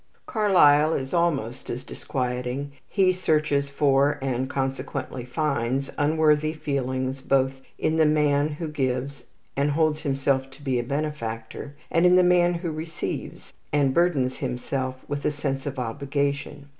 Carlyle is almost as disquieting. He searches for, and consequently finds, unworthy feelings both in the man who gives, and holds himself to be a benefactor, and in the man who receives, and burdens himself with a sense of obligation.